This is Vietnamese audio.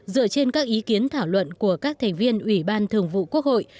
dựa trên các ý kiến thảo luận của các thành viên ủy ban thường vụ quốc hội